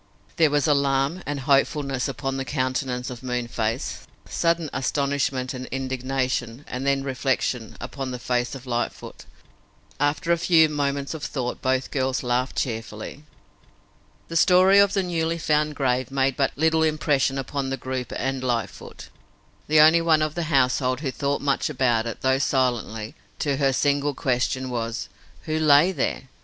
There was alarm and hopefulness upon the countenance of Moonface, sudden astonishment and indignation, and then reflection, upon the face of Lightfoot. After a few moments of thought both girls laughed cheerfully. The story of the newly found grave made but little impression upon the group and Lightfoot, the only one of the household who thought much about it, thought silently. To her the single question was: "Who lay there?"